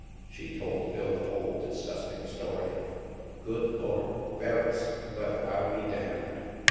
She told Phil the whole disgusting story. " Good Lord ! Ferriss ! Well, FU be damned